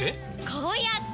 こうやって！